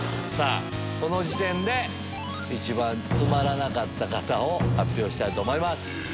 この時点で一番つまらなかった方発表したいと思います。